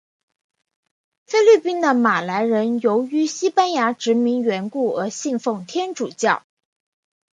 菲律宾的马来人由于西班牙殖民缘故而信奉天主教。